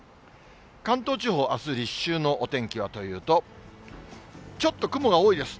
関東地方、あす立秋のお天気はというと、ちょっと雲が多いです。